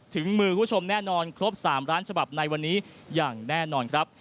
ถึงมือคุณผู้ชมแน่นอนครบ๓ล้านฉบับในวันนี้อย่างแน่นอนครับ